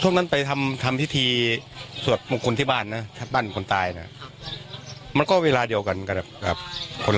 มันมีอาถรรพ์นั้นเลยนี่ในความรู้สึกนะ